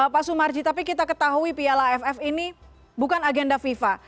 pak sumarji tapi kita ketahui piala aff ini bukan agenda fifa